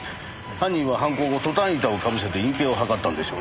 犯人は犯行後トタン板を被せて隠蔽を図ったんでしょうな。